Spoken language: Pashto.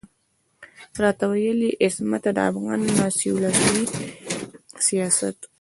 راته ويل يې عصمته د افغان ناسيوناليستي سياست.